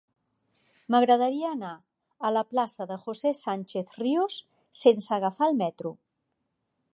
M'agradaria anar a la plaça de José Sánchez Ríos sense agafar el metro.